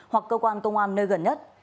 hoặc cơ quan công an nơi gần nhất